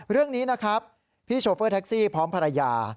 เรื่องนี้นะครับพี่โชเฟอร์แท็กซี่พร้อมภรรยา